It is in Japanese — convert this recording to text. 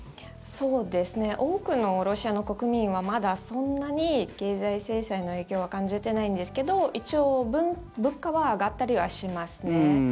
多くのロシアの国民はまだそんなに経済制裁の影響は感じてないんですけど一応物価は上がったりはしますね。